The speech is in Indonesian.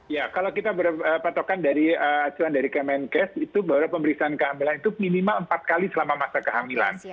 ya kalau kita berpatokan dari acuan dari kemenkes itu baru pemeriksaan kehamilan itu minimal empat kali selama masa kehamilan